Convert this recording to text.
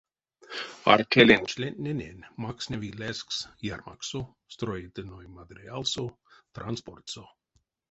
Артелень члентнэнень максневи лезкс ярмаксо, строительной материалсо, транспортсо.